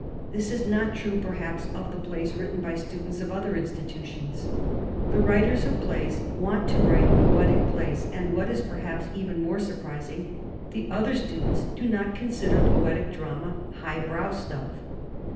This is not true, perhaps, of the plays written by students of other institutions. The writers of plays want to write poetic plays, and what is perhaps even more surprising the other students do not consider poetic drama 'high brow stuff.'